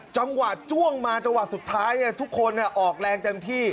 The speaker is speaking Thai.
จังหวะจ้วงมาจังหวะสุดท้ายทุกคนออกแรงเต็มที่